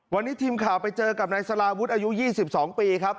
วันนี้ทีมข่าวไปเจอกับนายสลาวุฒิอายุ๒๒ปีครับ